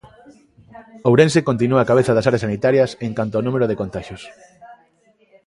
Ourense continúa á cabeza das áreas sanitarias en canto ao número de contaxios.